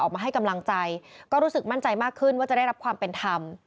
ให้กำลังใจก็รู้สึกมั่นใจมากขึ้นว่าจะได้รับความเป็นธรรม